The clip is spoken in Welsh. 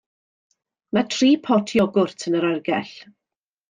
Mae tri pot iogwrt yn yr oergell.